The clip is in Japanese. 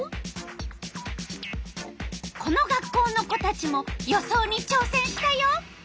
この学校の子たちも予想にちょうせんしたよ。